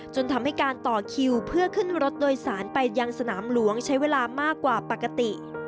จนทำให้การต่อคิวเพื่อขึ้นรถโดยสารไปยังสนามหลวงใช้เวลามากกว่าปกติ